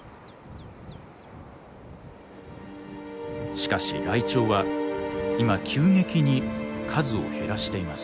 しかしライチョウは今急激に数を減らしています。